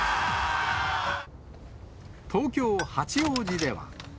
東京・八王子では。